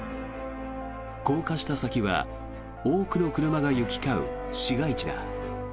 降下した先は多くの車が行き交う市街地だ。